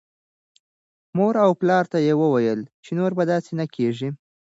مور او پلار ته یې ویل چې نور به داسې نه کېږي.